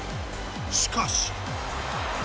しかし。